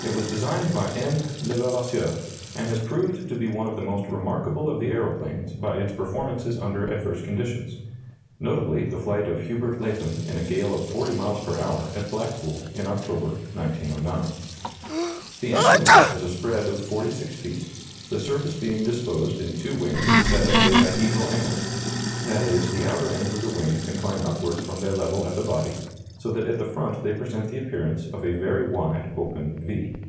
It was designed by M. Levavasseur, and has proved to be one of the most remarkable of the aeroplanes by its performances under adverse conditions; notably, the flight of Hubert Latham in a gale of 40 miles per hour at Blackpool in October, 1909. The Antoinette has a spread of 46 feet, the surface being disposed in two wings set at a dihedral angle; that is, the outer ends of the wings incline upward from their level at the body, so that at the front they present the appearance of a very wide open "V."